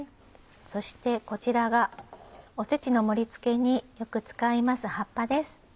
そしてこちらがおせちの盛りつけによく使います葉っぱです。